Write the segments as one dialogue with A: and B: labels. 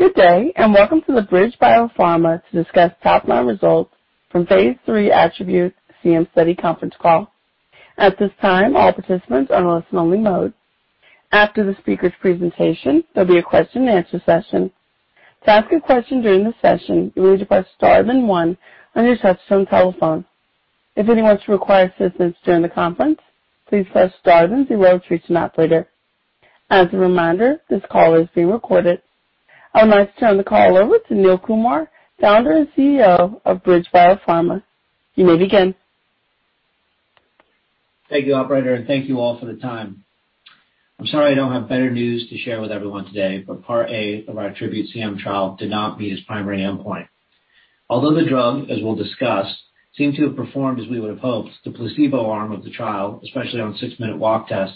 A: Good day, and welcome to the BridgeBio Pharma conference call to discuss top-line results from the phase III ATTRibute-CM study. At this time, all participants are in listen-only mode. After the speaker's presentation, there'll be a question and answer session. To ask a question during the session, you need to press star then one on your touchtone telephone. If anyone requires assistance during the conference, please press star then zero to reach an operator. As a reminder, this call is being recorded. I'll now turn the call over to Neil Kumar, Founder and CEO of BridgeBio Pharma. You may begin.
B: Thank you, operator, and thank you all for the time. I'm sorry I don't have better news to share with everyone today. Part A of our ATTRibute-CM trial did not meet its primary endpoint. Although the drug, as we'll discuss, seemed to have performed as we would have hoped, the placebo arm of the trial, especially on six-minute walk test,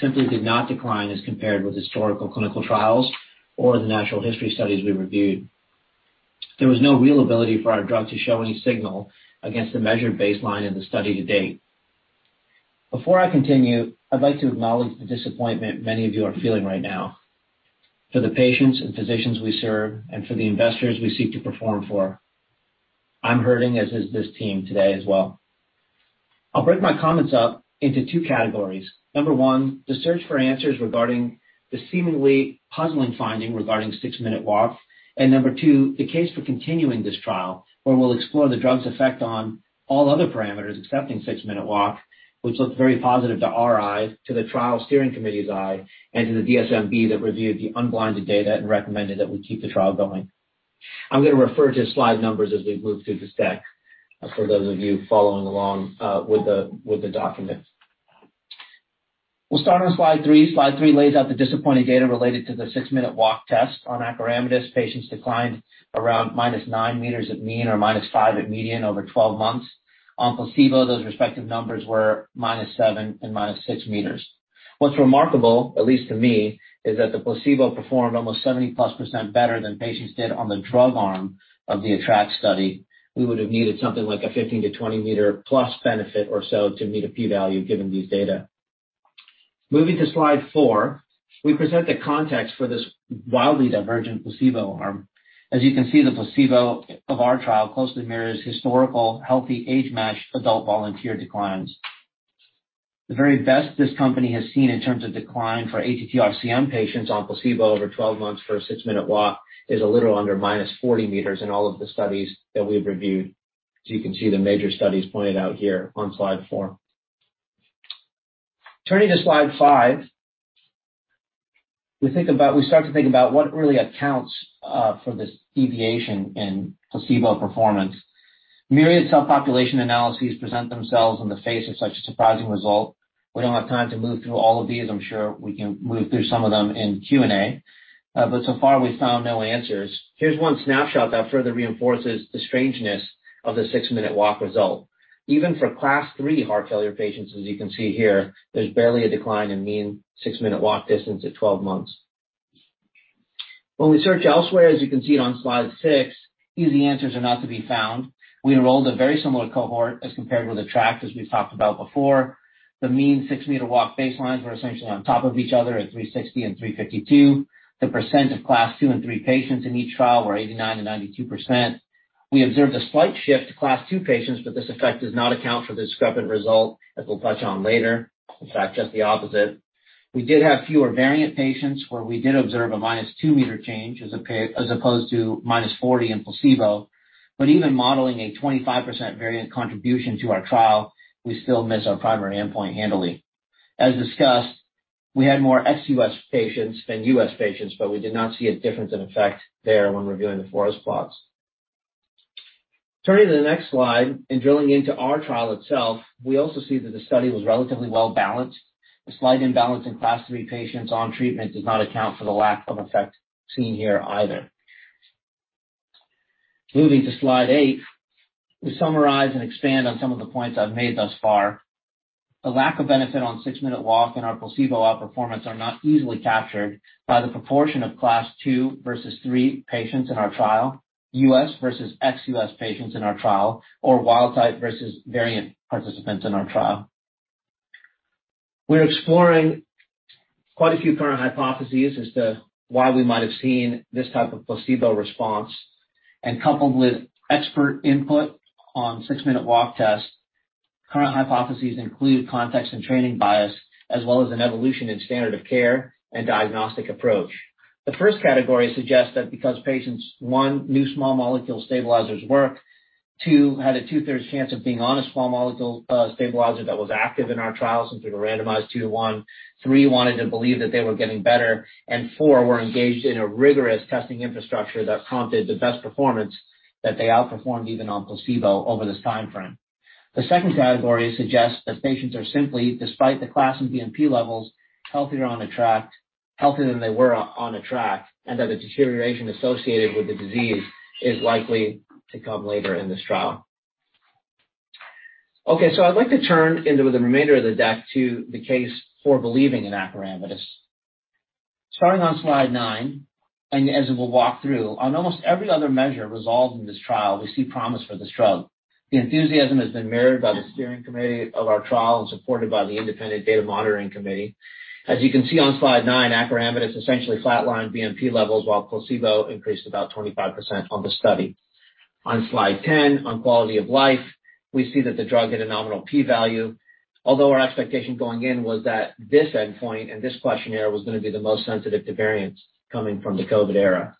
B: simply did not decline as compared with historical clinical trials or the natural history studies we reviewed. There was no real ability for our drug to show any signal against the measured baseline in the study to date. Before I continue, I'd like to acknowledge the disappointment many of you are feeling right now. For the patients and physicians we serve and for the investors we seek to perform for, I'm hurting, as is this team today as well. I'll break my comments up into two categories. Number one, the search for answers regarding the seemingly puzzling finding regarding six-minute walk. Number two, the case for continuing this trial, where we'll explore the drug's effect on all other parameters excepting six-minute walk, which looked very positive to our eyes, to the trial steering committee's eye, and to the DSMB that reviewed the unblinded data and recommended that we keep the trial going. I'm gonna refer to slide numbers as we move through this deck for those of you following along with the documents. We'll start on slide 3. Slide 3 lays out the disappointing data related to the six-minute walk test on acoramidis. Patients declined around minus nine meters at mean or minus five at median over 12 months. On placebo, those respective numbers were minus seven and minus six meters. What's remarkable, at least to me, is that the placebo performed almost 70%+ better than patients did on the drug arm of the ATTR-ACT study. We would have needed something like a 15 to 20 meter plus benefit or so to meet a P value given these data. Moving to slide 4, we present the context for this wildly divergent placebo arm. As you can see, the placebo of our trial closely mirrors historical healthy age-matched adult volunteer declines. The very best this company has seen in terms of decline for ATTR-CM patients on placebo over 12 months for a six-minute walk is a little under -40 meters in all of the studies that we've reviewed. You can see the major studies pointed out here on slide 4. Turning to slide 5, we start to think about what really accounts for this deviation in placebo performance. Myriad subpopulation analyses present themselves in the face of such a surprising result. We don't have time to move through all of these. I'm sure we can move through some of them in Q&A. So far, we've found no answers. Here's one snapshot that further reinforces the strangeness of the six-minute walk result. Even for Class III heart failure patients, as you can see here, there's barely a decline in mean six-minute walk distance at 12 months. When we search elsewhere, as you can see it on slide 6, easy answers are not to be found. We enrolled a very similar cohort as compared with ATTR-ACT, as we've talked about before. The mean six-minute walk baselines were essentially on top of each other at 360 and 352. The percent of Class II and Class III patients in each trial were 89% and 92%. We observed a slight shift to Class II patients, but this effect does not account for the discrepant result that we'll touch on later. In fact, just the opposite. We did have fewer variant patients where we did observe a minus two-meter change as opposed to minus 40 in placebo. But even modeling a 25% variant contribution to our trial, we still miss our primary endpoint handily. As discussed, we had more ex-U.S. patients than U.S. patients, but we did not see a difference in effect there when reviewing the forest plots. Turning to the next slide and drilling into our trial itself, we also see that the study was relatively well balanced. A slight imbalance in Class III patients on treatment does not account for the lack of effect seen here either. Moving to slide 8, to summarize and expand on some of the points I've made thus far, the lack of benefit on six-minute walk and our placebo outperformance are not easily captured by the proportion of Class II versus Class III patients in our trial, U.S. versus ex-U.S. patients in our trial, or wild type versus variant participants in our trial. We're exploring quite a few current hypotheses as to why we might have seen this type of placebo response. Coupled with expert input on six-minute walk test, current hypotheses include context and training bias as well as an evolution in standard of care and diagnostic approach. The first category suggests that because patients, one, new small molecule stabilizers work, two, had a 2/3 chance of being on a small molecule stabilizer that was active in our trial since we were randomized two to one, three, wanted to believe that they were getting better, and four, were engaged in a rigorous testing infrastructure that prompted the best performance that they outperformed even on placebo over this timeframe. The second category suggests that patients are simply, despite the class and BNP levels, healthier on ATTR-ACT, healthier than they were on ATTR-ACT, and that the deterioration associated with the disease is likely to come later in this trial. Okay, I'd like to turn to the remainder of the deck to the case for believing in acoramidis. Starting on slide 9, and as we'll walk through, on almost every other measure resolved in this trial, we see promise for this drug. The enthusiasm has been mirrored by the steering committee of our trial and supported by the independent data monitoring committee. As you can see on slide 9, acoramidis essentially flatlined BNP levels, while placebo increased about 25% on the study. On slide 10, on quality of life, we see that the drug had a nominal P value. Although our expectation going in was that this endpoint and this questionnaire was gonna be the most sensitive to variance coming from the COVID era.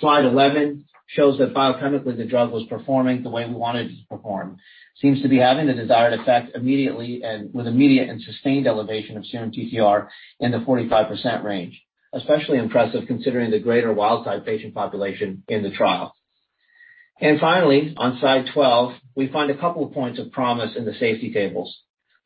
B: Slide 11 shows that biochemically, the drug was performing the way we wanted it to perform. Seems to be having the desired effect immediately and with immediate and sustained elevation of serum TTR in the 45% range, especially impressive considering the greater wild type patient population in the trial. Finally, on slide 12, we find a couple of points of promise in the safety tables.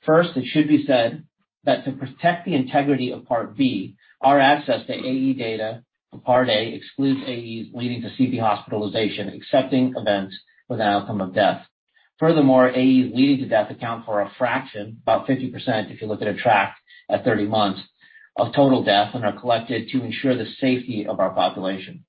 B: First, it should be said that to protect the integrity of Part B, our access to AE data for Part A excludes AEs leading to CV hospitalization, excepting events with an outcome of death. Furthermore, AEs leading to death account for a fraction, about 50% if you look at ATTR-ACT at 30 months, of total death and are collected to ensure the safety of our population.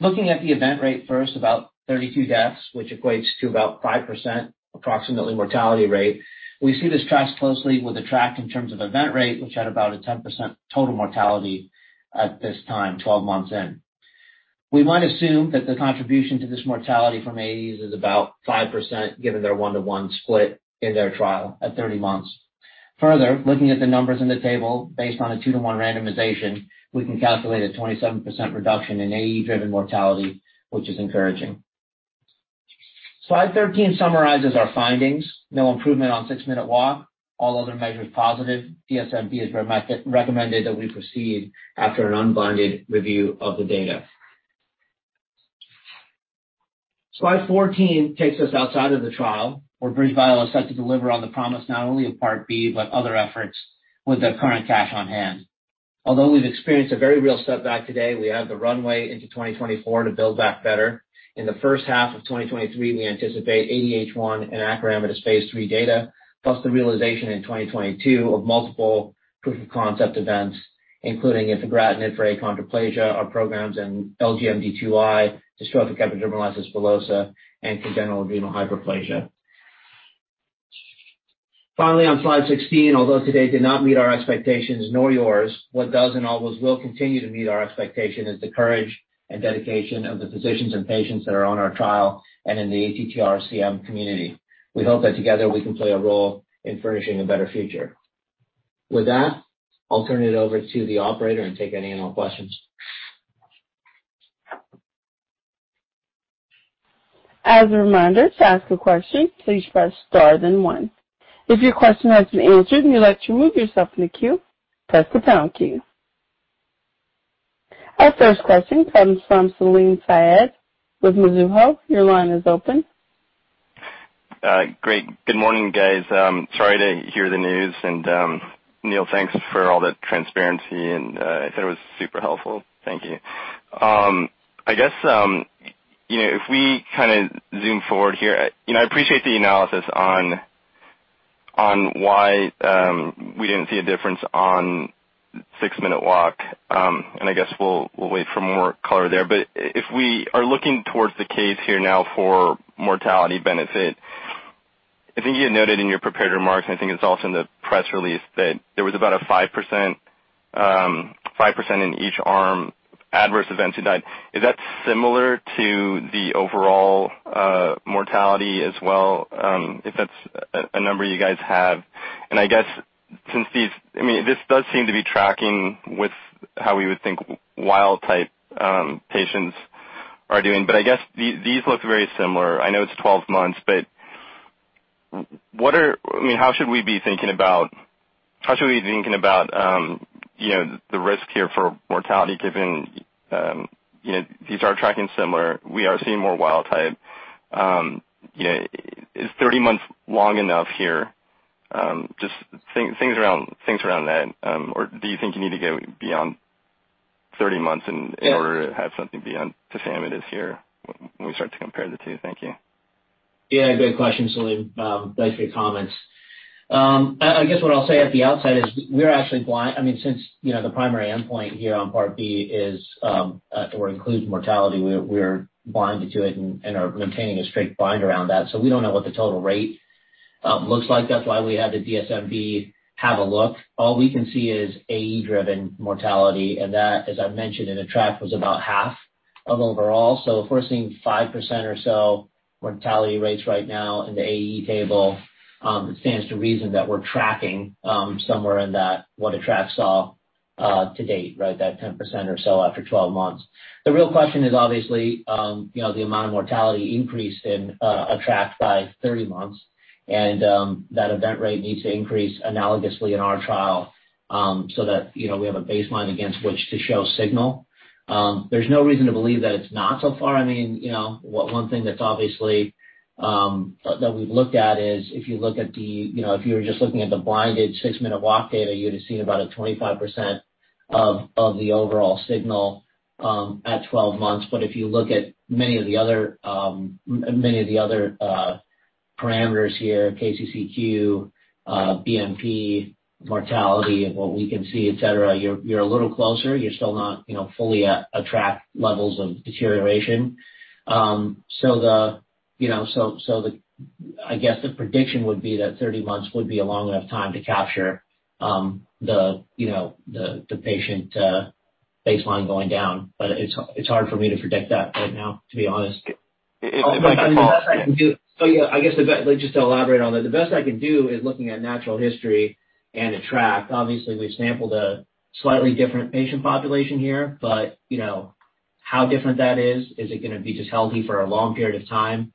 B: Looking at the event rate first, about 32 deaths, which equates to about 5% approximately mortality rate. We see this tracks closely with ATTR-ACT in terms of event rate, which had about a 10% total mortality at this time, 12 months in. We might assume that the contribution to this mortality from AEs is about 5%, given their 1:1 split in their trial at 30 months. Further, looking at the numbers in the table, based on a 2:1 randomization, we can calculate a 27% reduction in AE-driven mortality, which is encouraging. Slide 13 summarizes our findings. No improvement on six-minute walk. All other measures positive. DSMB has recommended that we proceed after an unblinded review of the data. Slide 14 takes us outside of the trial, where BridgeBio is set to deliver on the promise not only of Part B, but other efforts with the current cash on hand. Although we've experienced a very real setback today, we have the runway into 2024 to build back better. In the first half of 2023, we anticipate ADH1 and acoramidis phase III data, plus the realization in 2022 of multiple proof of concept events, including infigratinib for achondroplasia, our programs in LGMD2I, dystrophic epidermolysis bullosa, and congenital adrenal hyperplasia. Finally, on slide 16, although today did not meet our expectations nor yours, what does and always will continue to meet our expectation is the courage and dedication of the physicians and patients that are on our trial and in the ATTR-CM community. We hope that together we can play a role in furnishing a better future. With that, I'll turn it over to the operator and take any and all questions.
A: As a remainder to ask a question please press star then one. If your question has been answered and you want to leave the queue, please press the pound key. Our first question comes from Salim Syed with Mizuho. Your line is open.
C: Great. Good morning, guys. Sorry to hear the news. Neil, thanks for all the transparency, and I thought it was super helpful. Thank you. I guess, you know, if we kinda zoom forward here, you know, I appreciate the analysis on why we didn't see a difference on six-minute walk. I guess we'll wait for more color there. If we are looking towards the case here now for mortality benefit, I think you had noted in your prepared remarks, and I think it's also in the press release, that there was about 5% in each arm adverse event to death. Is that similar to the overall mortality as well, if that's a number you guys have? I guess since these—I mean, this does seem to be tracking with how we would think wild type patients are doing. But I guess these look very similar. I know it's 12 months, but what are—I mean, how should we be thinking about the risk here for mortality given you know these are tracking similar. We are seeing more wild type. You know, is 30 months long enough here? Just things around that. Or do you think you need to go beyond 30 months in order to have something beyond tafamidis here when we start to compare the two? Thank you.
B: Yeah, good question, Salim. Thanks for your comments. I guess what I'll say at the outset is we're actually blind. I mean, since, you know, the primary endpoint here on Part B is or includes mortality, we're blinded to it and are maintaining a straight blind around that. We don't know what the total rate looks like. That's why we had the DSMB have a look. All we can see is AE-driven mortality, and that, as I've mentioned in ATTR-ACT, was about half of overall. If we're seeing 5% or so mortality rates right now in the AE table, it stands to reason that we're tracking somewhere in that what ATTR-ACT saw to date, right? That 10% or so after 12 months. The real question is obviously, you know, the amount of mortality increase in ATTR-ACT by 30 months. That event rate needs to increase analogously in our trial, so that, you know, we have a baseline against which to show signal. There's no reason to believe that it's not so far. I mean, you know, one thing that's obviously that we've looked at is, you know, if you were just looking at the blinded six-minute walk data, you would've seen about 25% of the overall signal at 12 months. But if you look at many of the other parameters here, KCCQ, BNP mortality and what we can see, et cetera. You're a little closer. You're still not, you know, fully at ATTR-ACT levels of deterioration. I guess the prediction would be that 30 months would be a long enough time to capture the you know the patient baseline going down. But it's hard for me to predict that right now, to be honest.
C: If I can follow up.
B: The best I can do. Yeah, I guess the best. Just to elaborate on that, the best I can do is looking at natural history and ATTR-ACT. Obviously, we've sampled a slightly different patient population here. You know, how different that is? Is it gonna be just healthy for a long period of time?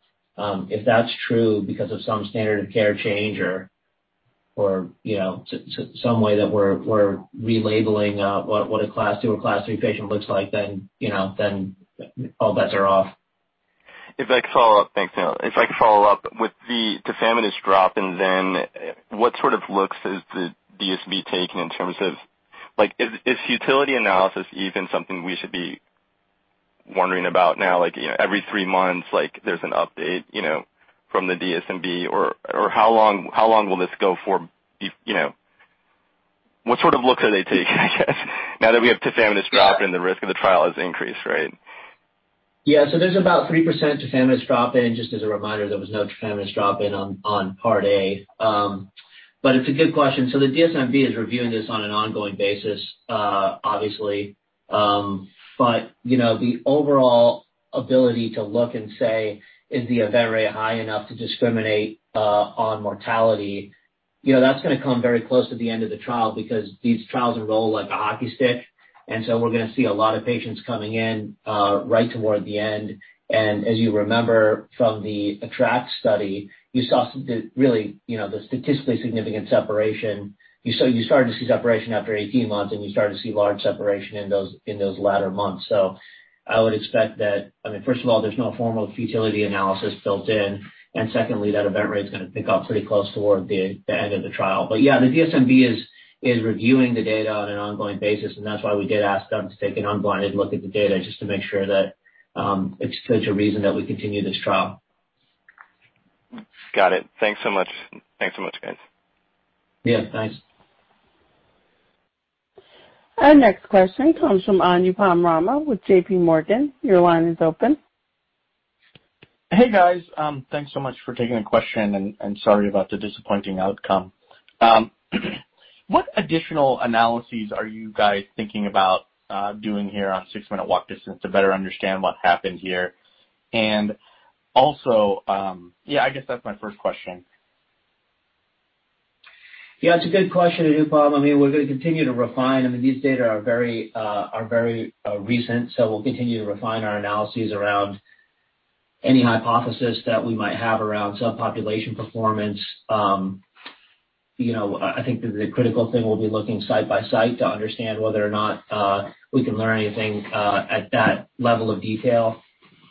B: If that's true because of some standard of care change or, you know, some way that we're relabeling what a Class II or Class III patient looks like, then, you know, then all bets are off.
C: If I could follow up. Thanks, Neil. With the tafamidis drop-in, then what sort of looks is the DSMB taking in terms of like is futility analysis even something we should be wondering about now, like, you know, every three months, like, there's an update, you know, from the DSMB? Or how long will this go for, you know? What sort of looks are they taking I guess, now that we have tafamidis drop-in.
B: Yeah.
C: The risk of the trial has increased, right?
B: There's about 3% tafamidis drop-in. Just as a reminder, there was no tafamidis drop-in on Part A. But it's a good question. The DSMB is reviewing this on an ongoing basis, obviously. But, you know, the overall ability to look and say, is the event rate high enough to discriminate on mortality? You know, that's gonna come very close to the end of the trial because these trials enroll like a hockey stick, and so we're gonna see a lot of patients coming in right toward the end. As you remember from the ATTR-ACT study, you saw the really, you know, the statistically significant separation. You started to see separation after 18 months, and you started to see large separation in those latter months. I would expect that. I mean, first of all, there's no formal futility analysis built in. Secondly, that event rate's gonna pick up pretty close toward the end of the trial. Yeah, the DSMB is reviewing the data on an ongoing basis, and that's why we did ask them to take an unblinded look at the data just to make sure that it's still reasonable to continue this trial.
C: Got it. Thanks so much. Thanks so much, guys.
B: Yeah, thanks.
A: Our next question comes from Anupam Rama with JPMorgan. Your line is open.
D: Hey, guys. Thanks so much for taking a question, and sorry about the disappointing outcome. What additional analyses are you guys thinking about doing here on six-minute walk distance to better understand what happened here? Also, yeah, I guess that's my first question.
B: Yeah, it's a good question, Anupam. I mean, we're gonna continue to refine. I mean, these data are very recent, so we'll continue to refine our analyses around any hypothesis that we might have around subpopulation performance. You know, I think the critical thing will be looking site by site to understand whether or not we can learn anything at that level of detail.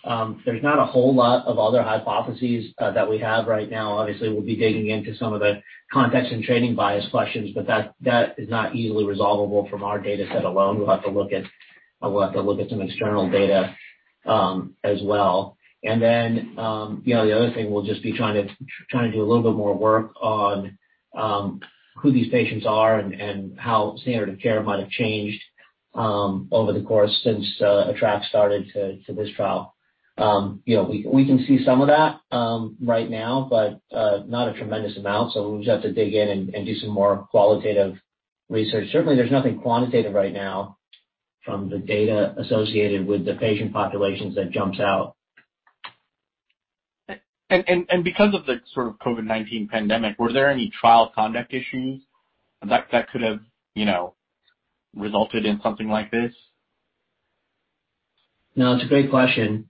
B: There's not a whole lot of other hypotheses that we have right now. Obviously, we'll be digging into some of the context and training bias questions, but that is not easily resolvable from our data set alone. We'll have to look at some external data as well. You know, the other thing, we'll just be trying to do a little bit more work on who these patients are and how standard of care might have changed over the course since ATTR-ACT started to this trial. You know, we can see some of that right now, but not a tremendous amount, so we'll just have to dig in and do some more qualitative research. Certainly, there's nothing quantitative right now from the data associated with the patient populations that jumps out.
D: Because of the sort of COVID-19 pandemic, were there any trial conduct issues that could have, you know, resulted in something like this?
B: No, it's a great question.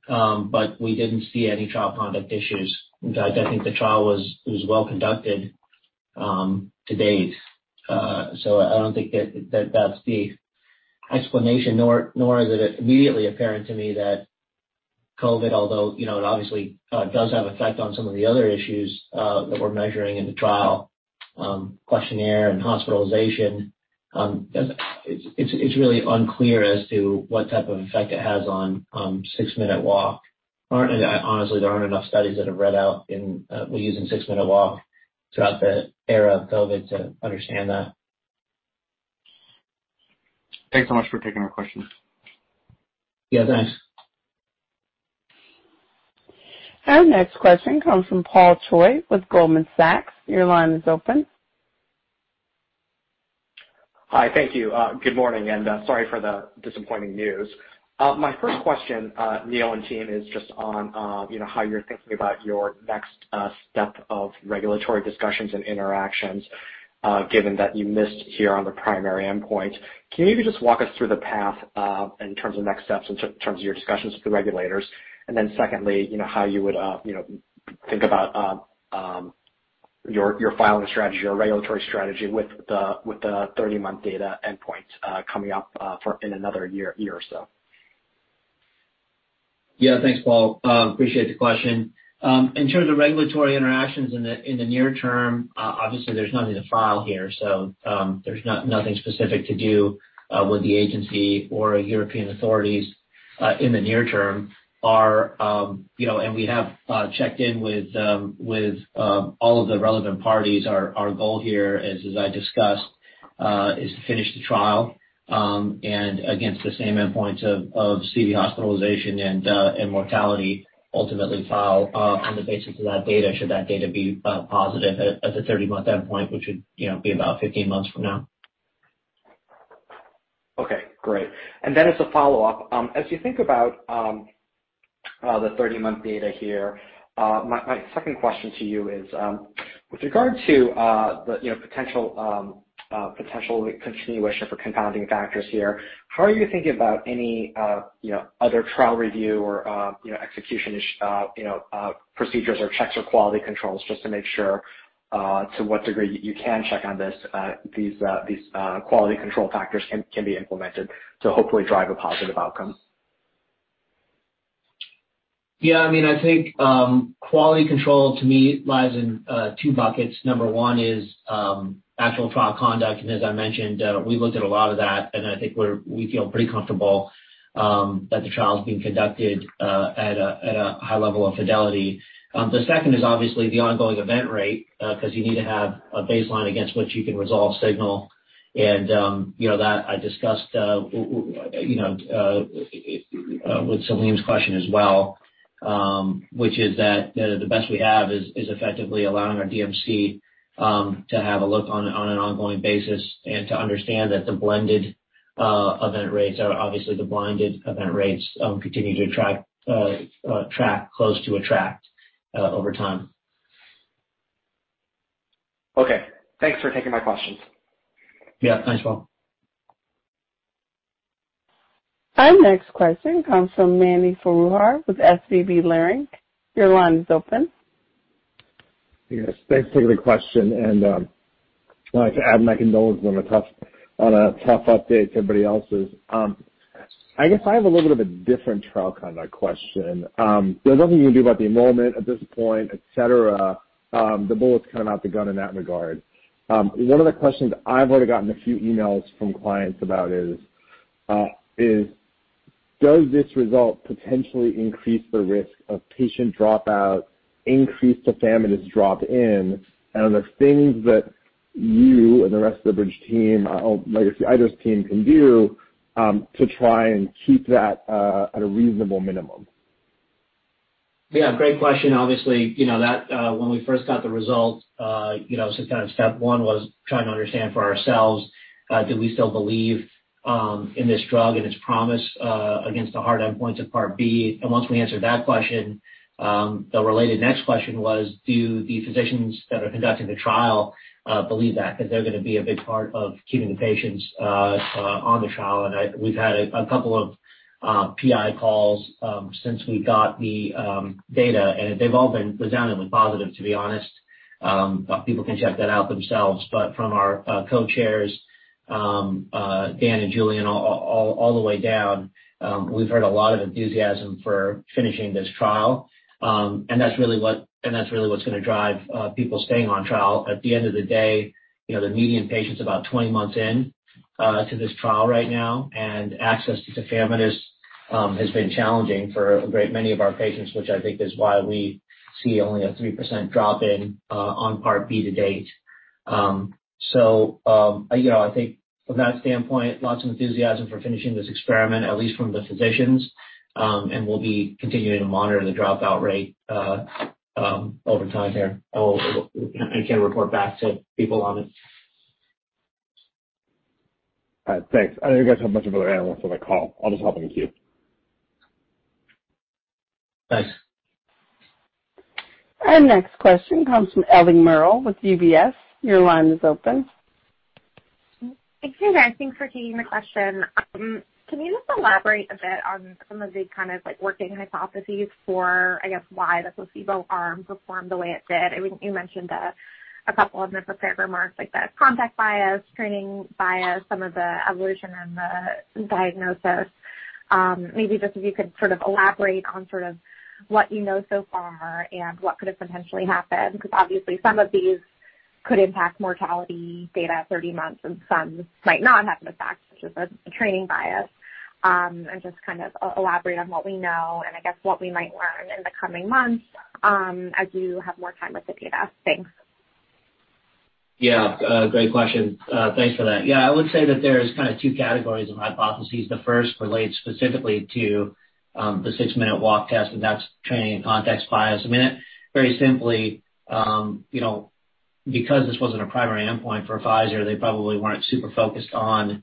B: We didn't see any trial conduct issues. In fact, I think the trial was well conducted to date. I don't think that's the explanation, nor is it immediately apparent to me that COVID, although you know it obviously does have an effect on some of the other issues that we're measuring in the trial, questionnaire and hospitalization. It's really unclear as to what type of effect it has on six-minute walk. Honestly, there aren't enough studies that have read out in which we're using six-minute walk throughout the era of COVID to understand that.
D: Thanks so much for taking our questions.
B: Yeah, thanks.
A: Our next question comes from Paul Choi with Goldman Sachs. Your line is open.
E: Hi. Thank you. Good morning, and sorry for the disappointing news. My first question, Neil and team, is just on you know, how you're thinking about your next step of regulatory discussions and interactions, given that you missed here on the primary endpoint. Can you maybe just walk us through the path in terms of next steps, in terms of your discussions with the regulators? Then secondly, you know, how you would you know, think about your filing strategy or regulatory strategy with the 30-month data endpoint coming up in another year or so?
B: Yeah. Thanks, Paul. Appreciate the question. In terms of regulatory interactions in the near term, obviously there's nothing to file here, so there's nothing specific to do with the agency or European authorities in the near term. You know, we have checked in with all of the relevant parties. Our goal here is, as I discussed, to finish the trial and against the same endpoints of CV hospitalization and mortality ultimately file on the basis of that data, should that data be positive at the 30-month endpoint, which would, you know, be about 15 months from now.
E: Okay, great. As a follow-up, as you think about the 30-month data here, my second question to you is, with regard to the you know potential continuation for compounding factors here, how are you thinking about any you know other trial review or you know execution you know procedures or checks or quality controls just to make sure to what degree you can check on this these quality control factors can be implemented to hopefully drive a positive outcome?
B: Yeah. I mean, I think quality control to me lies in two buckets. Number one is actual trial conduct. As I mentioned, we looked at a lot of that, and I think we feel pretty comfortable that the trial's being conducted at a high level of fidelity. The second is obviously the ongoing event rate, 'cause you need to have a baseline against which you can resolve signal. You know, that I discussed with Salim's question as well, which is that the best we have is effectively allowing our DMC to have a look on an ongoing basis and to understand that the blended event rates are obviously the blinded event rates continue to track close to expected over time.
E: Okay. Thanks for taking my questions.
B: Yeah. Thanks, Paul.
A: Our next question comes from Mani Foroohar with Leerink Partners. Your line is open.
F: Yes, thanks for the question. I'd like to add my condolences on a tough update to everybody else's. I guess I have a little bit of a different trial conduct question. There's nothing you can do about the enrollment at this point, et cetera. The bullet's kind of out of the gun in that regard. One of the questions I've already gotten a few emails from clients about is, does this result potentially increase the risk of patient dropout, increase tafamidis drop-in, and the things that you and the rest of the Bridge team, or legacy Eidos team can do, to try and keep that at a reasonable minimum?
B: Yeah, great question. Obviously, you know, that when we first got the result, you know, since kind of step one was trying to understand for ourselves, did we still believe in this drug and its promise against the hard endpoints of Part B? Once we answered that question, the related next question was, do the physicians that are conducting the trial believe that 'cause they're gonna be a big part of keeping the patients on the trial? We've had a couple of PI calls since we got the data, and they've all been resoundingly positive, to be honest. People can check that out themselves. From our co-chairs, Dane and Julian, all the way down, we've heard a lot of enthusiasm for finishing this trial. That's really what's gonna drive people staying on trial. At the end of the day, you know, the median patient's about 20 months in to this trial right now. Access to tafamidis has been challenging for a great many of our patients, which I think is why we see only a 3% dropout on Part B to date. You know, I think from that standpoint, lots of enthusiasm for finishing this experiment, at least from the physicians. We'll be continuing to monitor the dropout rate over time here. Can report back to people on it.
F: All right. Thanks. I know you guys have a bunch of other analysts on the call. I'll just hop in the queue.
B: Thanks.
A: Our next question comes from Ellie Merle with UBS. Your line is open.
G: Thank you, guys. Thanks for taking the question. Can you just elaborate a bit on some of the kind of, like, working hypotheses for, I guess, why the placebo arm performed the way it did? I mean, you mentioned a couple of them in prepared remarks like the context bias, training bias, some of the evolution in the diagnosis. Maybe just if you could sort of elaborate on sort of what you know so far and what could have potentially happened, because obviously some of these could impact mortality data at 30 months and some might not have an effect, such as a training bias. Just kind of elaborate on what we know and I guess what we might learn in the coming months, as you have more time with the data. Thanks.
B: Yeah. Great question. Thanks for that. Yeah. I would say that there's kind of two categories of hypotheses. The first relates specifically to the six-minute walk test, and that's training and context bias. I mean, very simply, you know, because this wasn't a primary endpoint for Pfizer, they probably weren't super focused on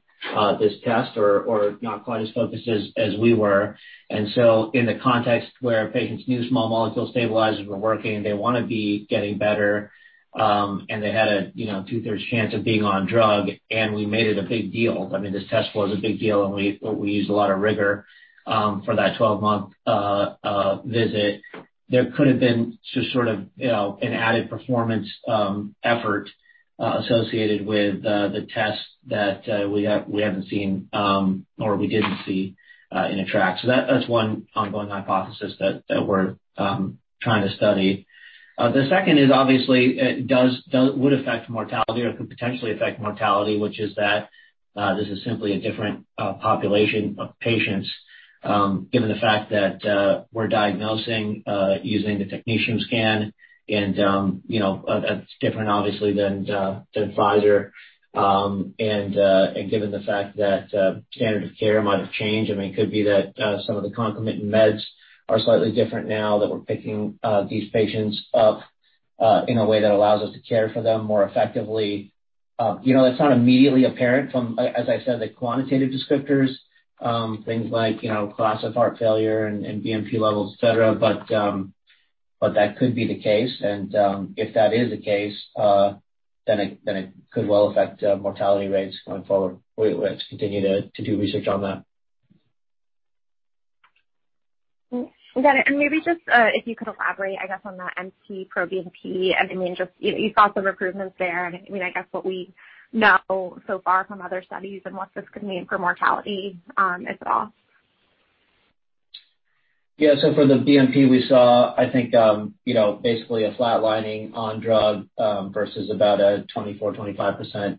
B: this test or not quite as focused as we were. In the context where patients knew small molecule stabilizers were working, they wanna be getting better, and they had a you know 2/3 chance of being on drug, and we made it a big deal. I mean, this test was a big deal, and we used a lot of rigor for that 12-month visit. There could have been just sort of, you know, an added performance effort associated with the tests that we haven't seen or we didn't see in ATTR-ACT. That's one ongoing hypothesis that we're trying to study. The second is obviously it would affect mortality or could potentially affect mortality, which is that this is simply a different population of patients, given the fact that we're diagnosing using the technetium scan and, you know, that's different obviously than Pfizer. Given the fact that standard of care might have changed, I mean, it could be that some of the concomitant meds are slightly different now that we're picking these patients up in a way that allows us to care for them more effectively. You know, that's not immediately apparent from, as I said, the quantitative descriptors, things like, you know, class of heart failure and BNP levels, et cetera. That could be the case. If that is the case, then it could well affect mortality rates going forward. We will continue to do research on that.
G: Got it. Maybe just if you could elaborate, I guess, on that NT-proBNP. I mean, just, you know, you saw some recruitments there, and I mean, I guess what we know so far from other studies and what this could mean for mortality, if at all.
B: Yeah. For the BNP, we saw, I think, you know, basically a flat lining on drug versus about a 24%-25%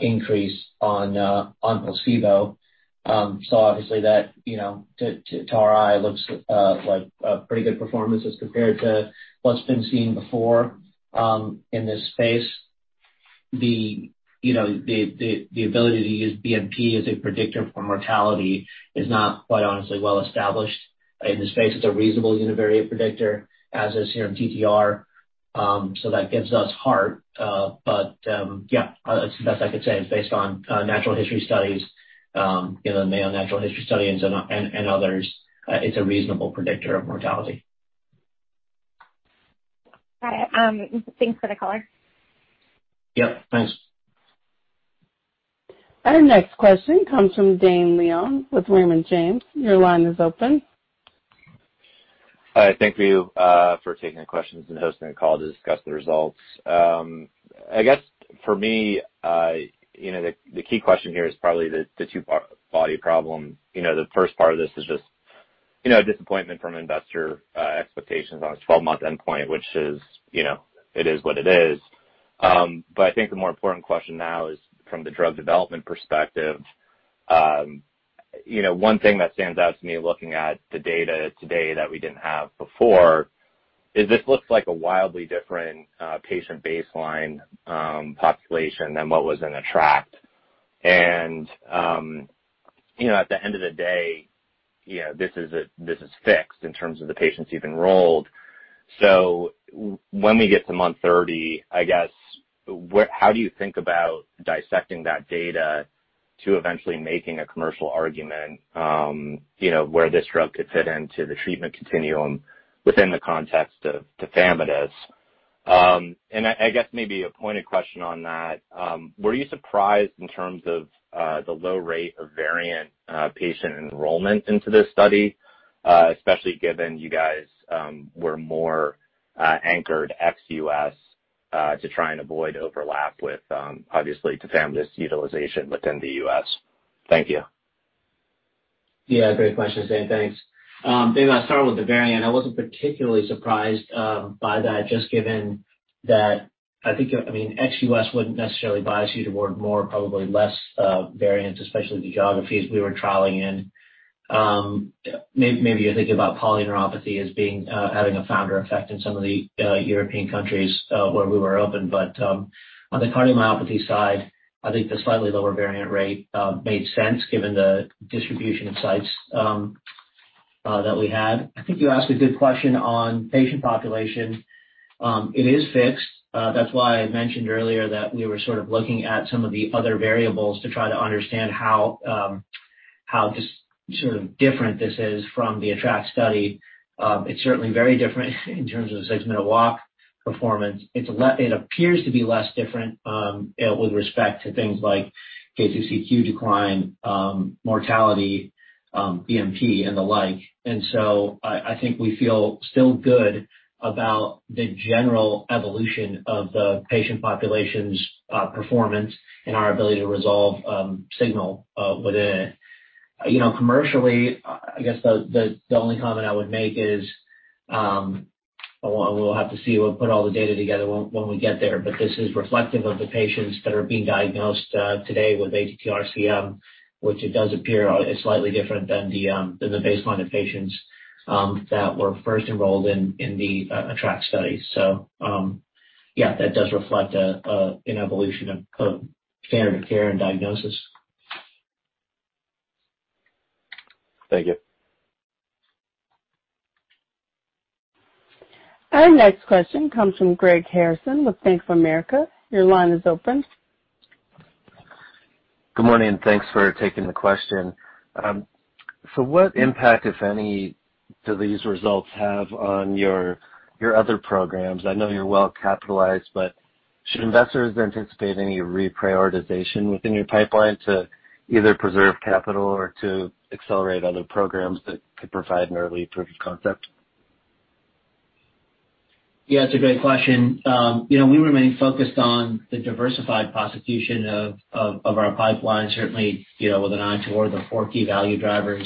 B: increase on placebo. Obviously that, you know, to our eye looks like a pretty good performance as compared to what's been seen before in this space. The, you know, the ability to use BNP as a predictor for mortality is not, quite honestly, well established in this space. It's a reasonable univariate predictor, as is here in TTR. That gives us heart. But yeah, that's the best I could say. It's based on natural history studies, you know, natural history studies and others. It's a reasonable predictor of mortality.
G: All right. Thanks for the color.
B: Yep. Thanks.
A: Our next question comes from Dane Leone with Raymond James. Your line is open.
H: Hi. Thank you for taking the questions and hosting the call to discuss the results. I guess for me, you know, the key question here is probably the two-part body problem. You know, the first part of this is just, you know, disappointment from investor expectations on a 12-month endpoint, which is, you know, it is what it is. I think the more important question now is from the drug development perspective. You know, one thing that stands out to me looking at the data today that we didn't have before is this looks like a wildly different patient baseline population than what was in ATTR-ACT. You know, at the end of the day, you know, this is fixed in terms of the patients you've enrolled. When we get to month 30, I guess, how do you think about dissecting that data to eventually making a commercial argument, you know, where this drug could fit into the treatment continuum within the context of tafamidis? I guess maybe a pointed question on that. Were you surprised in terms of the low rate of variant patient enrollment into this study, especially given you guys were more anchored ex-U.S. to try and avoid overlap with obviously tafamidis utilization within the U.S.? Thank you.
B: Yeah, great question, Dane. Thanks. Dane, I'll start with the variant. I wasn't particularly surprised by that, just given that I think, I mean, ex-U.S. wouldn't necessarily bias you toward more, probably less, variants, especially the geographies we were trialing in. Maybe you're thinking about polyneuropathy as being having a founder effect in some of the European countries where we were open. On the cardiomyopathy side, I think the slightly lower variant rate made sense given the distribution of sites that we had. I think you asked a good question on patient population. It is fixed. That's why I mentioned earlier that we were sort of looking at some of the other variables to try to understand how just sort of different this is from the ATTR-ACT study. It's certainly very different in terms of the six-minute walk performance. It appears to be less different with respect to things like KCCQ decline, mortality, BNP and the like. I think we feel still good about the general evolution of the patient population's performance and our ability to resolve signal within it. You know, commercially, I guess the only comment I would make is, we'll have to see. We'll put all the data together when we get there. This is reflective of the patients that are being diagnosed today with ATTR-CM, which it does appear is slightly different than the baseline of patients that were first enrolled in the ATTR-ACT study. That does reflect an evolution of standard of care and diagnosis.
H: Thank you.
A: Our next question comes from Greg Harrison with Bank of America. Your line is open.
I: Good morning, and thanks for taking the question. What impact, if any, do these results have on your other programs? I know you're well capitalized, but. Should investors anticipate any reprioritization within your pipeline to either preserve capital or to accelerate other programs that could provide an early proof of concept?
B: Yeah, it's a great question. You know, we remain focused on the diversified prosecution of our pipeline, certainly, you know, with an eye toward the four key value drivers.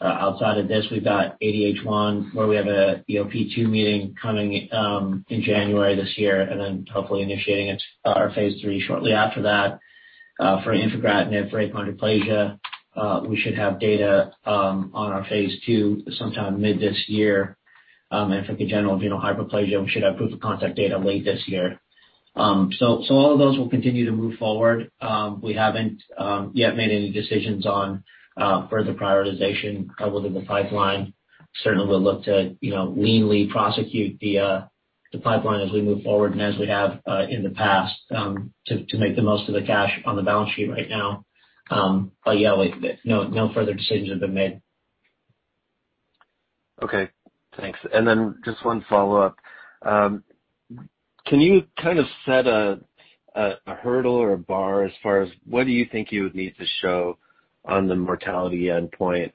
B: Outside of this, we've got ADH1, where we have a, you know, phase II meeting coming in January this year, and then hopefully initiating it, our phase III shortly after that. For infigratinib for hypochondroplasia, we should have data on our phase II sometime mid this year. For congenital adrenal hyperplasia, we should have proof of concept data late this year. All of those will continue to move forward. We haven't yet made any decisions on further prioritization within the pipeline. Certainly we'll look to, you know, leanly prosecute the pipeline as we move forward and as we have in the past to make the most of the cash on the balance sheet right now. Yeah, like, no further decisions have been made.
I: Okay, thanks. Just one follow-up. Can you kind of set a hurdle or a bar as far as what do you think you would need to show on the mortality endpoint,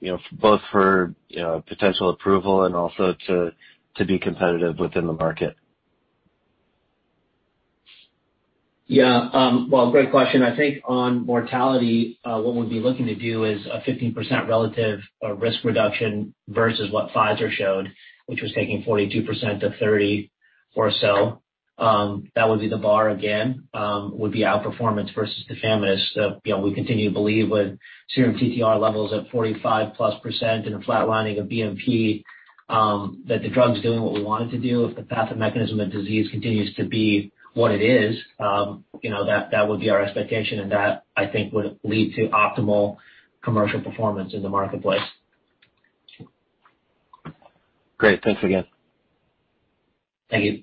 I: you know, both for you know, potential approval and also to be competitive within the market?
B: Yeah. Well, great question. I think on mortality, what we'd be looking to do is a 15% relative risk reduction versus what Pfizer showed, which was taking 42% to 30% or so. That would be the bar again, would be outperformance versus tafamidis. You know, we continue to believe with serum TTR levels at 45%+ and a flat lining of BNP, that the drug's doing what we want it to do. If the path and mechanism of disease continues to be what it is, you know, that would be our expectation, and that I think would lead to optimal commercial performance in the marketplace.
I: Great. Thanks again.
B: Thank you.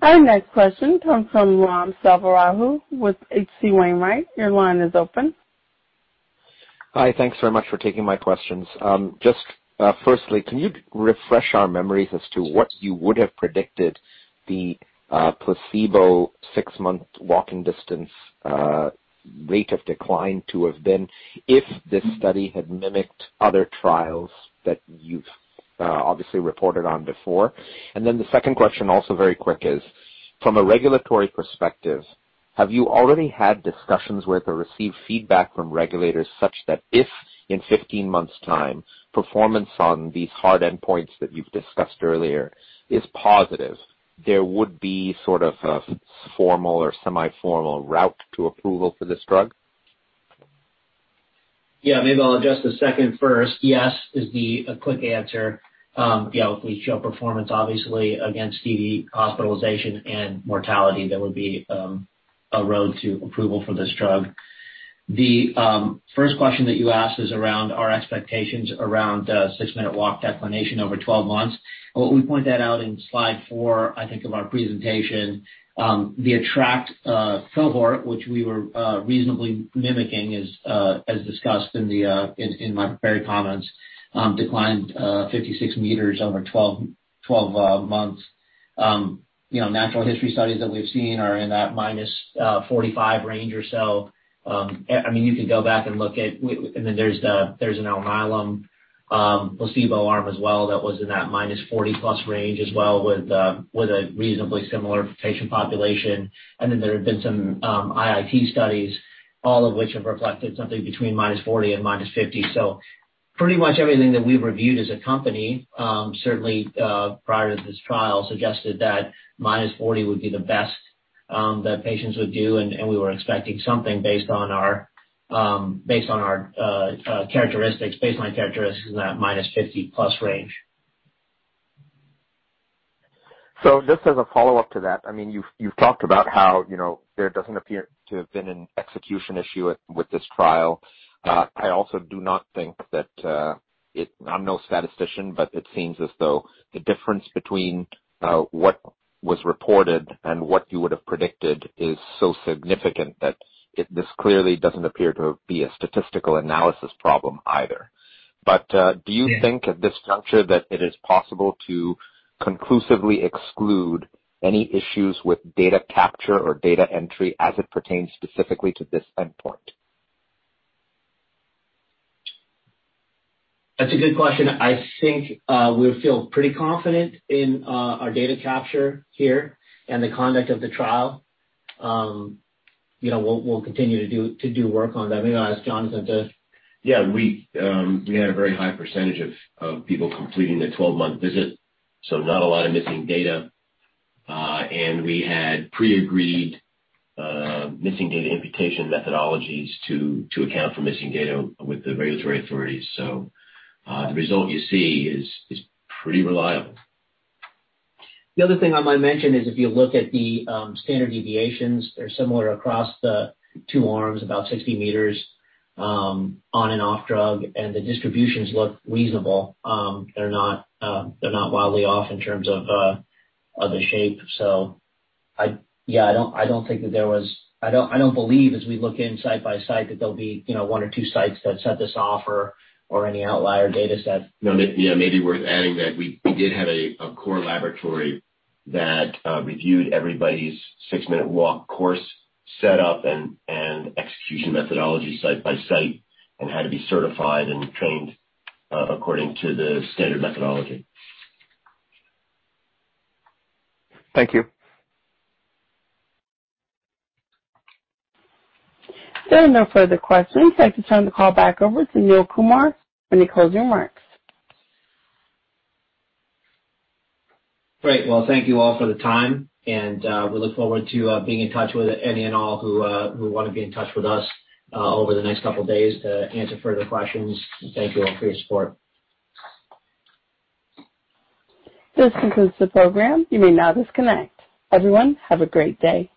A: Our next question comes from Ram Selvaraju with H.C. Wainwright. Your line is open.
J: Hi. Thanks very much for taking my questions. Just firstly, can you refresh our memories as to what you would have predicted the placebo six-minute walking distance rate of decline to have been if this study had mimicked other trials that you've obviously reported on before? The second question, also very quick, is from a regulatory perspective, have you already had discussions with or received feedback from regulators such that if in 15 months' time performance on these hard endpoints that you've discussed earlier is positive, there would be sort of a formal or semi-formal route to approval for this drug?
B: Yeah, maybe I'll address the second first. Yes is the quick answer. You know, if we show performance obviously against CV hospitalization and mortality, that would be a road to approval for this drug. The first question that you asked is around our expectations around six-minute walk decline over 12 months. We point that out in slide 4, I think, of our presentation. The ATTR-ACT cohort, which we were reasonably mimicking as discussed in my prepared comments, declined 56 meters over 12 months. You know, natural history studies that we've seen are in that -45 range or so. I mean, you can go back and look at, and then there's an Alnylam placebo arm as well that was in that -40+ range as well with a reasonably similar patient population. Then there have been some IIT studies, all of which have reflected something between -40 and -50. Pretty much everything that we've reviewed as a company, certainly prior to this trial, suggested that -40 would be the best that patients would do, and we were expecting something based on our baseline characteristics in that -50+ range.
J: Just as a follow-up to that, I mean, you've talked about how, you know, there doesn't appear to have been an execution issue with this trial. I also do not think that. I'm no statistician, but it seems as though the difference between what was reported and what you would have predicted is so significant that this clearly doesn't appear to be a statistical analysis problem either.
B: Yeah.
J: Do you think at this juncture that it is possible to conclusively exclude any issues with data capture or data entry as it pertains specifically to this endpoint?
B: That's a good question. I think we feel pretty confident in our data capture here and the conduct of the trial. You know, we'll continue to do work on that. Maybe I'll ask Jonathan to.
K: Yeah, we had a very high percentage of people completing the 12-month visit, so not a lot of missing data. We had pre-agreed missing data imputation methodologies to account for missing data with the regulatory authorities. The result you see is pretty reliable.
B: The other thing I might mention is if you look at the standard deviations, they're similar across the two arms, about 60 meters on and off drug, and the distributions look reasonable. They're not wildly off in terms of the shape. So yeah, I don't think that there was. I don't believe as we look site by site that there'll be, you know, one or two sites that set this off or any outlier data set.
K: Yeah, maybe worth adding that we did have a core laboratory that reviewed everybody's six-minute walk course set up and execution methodology site by site and had to be certified and trained according to the standard methodology.
J: Thank you.
A: There are no further questions. I'd like to turn the call back over to Neil Kumar for any closing remarks.
B: Great. Well, thank you all for the time, and we look forward to being in touch with any and all who wanna be in touch with us over the next couple days to answer further questions. Thank you all for your support.
A: This concludes the program. You may now disconnect. Everyone, have a great day.